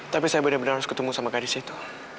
tapi saya benar benar harus ketemu sama garis itu